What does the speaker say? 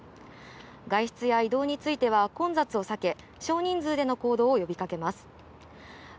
外出や移動については混雑を避け、少人数での行動を呼びかけます。